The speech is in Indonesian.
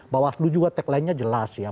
bawaslu juga tagline nya jelas ya